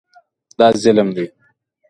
دا ظلم دی.